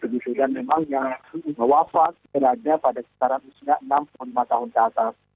dan memang yang sudah wafat berada pada usia enam puluh lima tahun ke atas